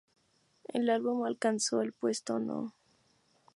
El álbum alcanzó el puesto No.